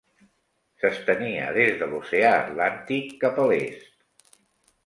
S'estenia des de l'Oceà Atlàntic cap a l'est.